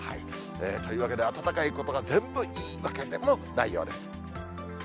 というわけで、暖かいことが全部いいわけでもないようです。